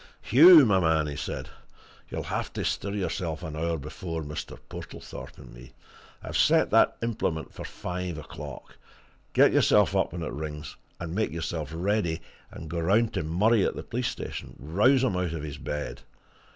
"Hugh, my man!" he said, "you'll have to stir yourself an hour before Mr. Portlethorpe and me. I've set that implement for five o'clock. Get yourself up when it rings, and make yourself ready and go round to Murray at the police station rouse him out of his bed.